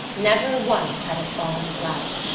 Never once had it fallen flat.